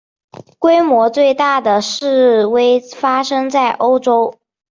规模最大的示威发生在欧洲。